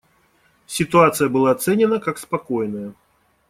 Ситуация была оценена как спокойная.